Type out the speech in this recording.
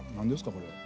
これ。